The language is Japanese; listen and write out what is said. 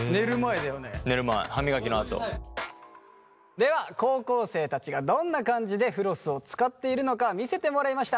では高校生たちがどんな感じでフロスを使っているのか見せてもらいました。